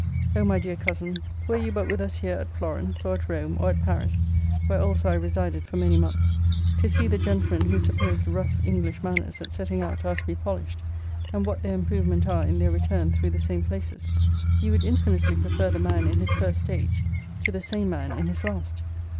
O my dear cousin, were you but with us here at Florence, or at Rome, or at Paris, (where also I resided for many months,) to see the gentlemen whose supposed rough English manners at setting out are to be polished, and what their improvement are in their return through the same places, you would infinitely prefer the man in his first stage to the same man in his last.